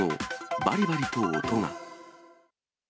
ばりばりと音が。